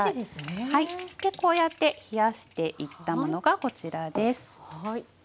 でこうやって冷やしていったものがこちらです。